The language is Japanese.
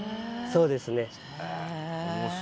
そうですね。